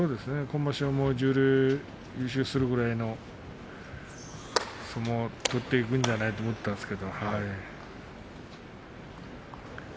今場所も十両で優勝するぐらいの相撲を取っていくんじゃないかと思ったんですが。